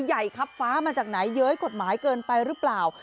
ใหญ่ครับฟ้ามาจากไหนเย้ยกฎหมายเกินไปหรือเปล่า